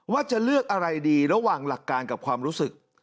ว่าจะเลือกอะไรดีระหว่างหลักการกับความรู้สึก